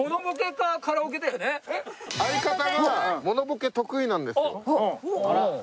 相方がモノボケ得意なんですよ。